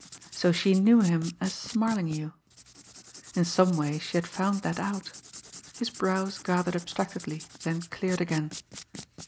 So she knew him as Smarlinghue! In some way she had found that out! His brows gathered abstractedly, then cleared again.